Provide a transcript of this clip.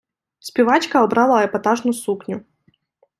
Співачка обрала епатажну сукню.